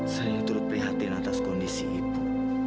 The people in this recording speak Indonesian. saya terlalu prihatin atas kondisi ibu